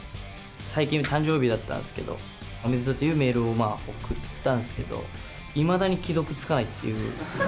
最近誕生日だったんですけど、おめでとうっていうメールを送ったんですけど、いまだに既読つかないっていう。